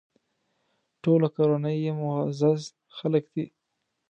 ټوله کورنۍ یې معزز خلک دي.